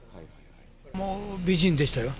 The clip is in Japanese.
もう美人でしたよ。